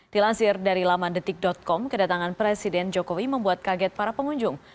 dilansir dari lamandetik com kedatangan presiden jokowi membuat kaget para pengunjung